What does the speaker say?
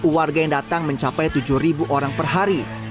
warga yang datang mencapai tujuh orang per hari